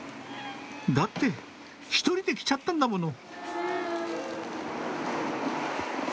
だって１人で来ちゃったんだもの